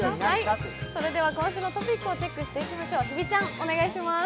それでは今週のトピックをチェックしていきましょう、日比ちゃんお願いします。